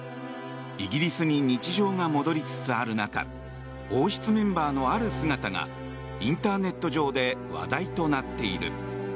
イギリスに日常が戻りつつある中王室メンバーの、ある姿がインターネット上で話題となっている。